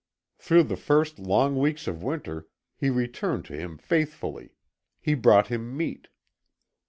Through the first long weeks of winter he returned to him faithfully; he brought him meat.